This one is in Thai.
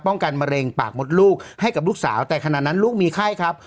กันมะเร็งปากมดลูกให้กับลูกสาวแต่ขณะนั้นลูกมีไข้ครับ